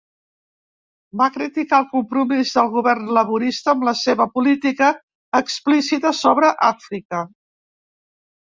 Va criticar el compromís del govern Laborista amb la seva política explícita sobre Àfrica.